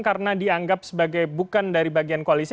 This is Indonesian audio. karena dianggap sebagai bukan dari bagian koalisi